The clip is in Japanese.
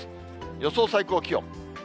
予想最高気温。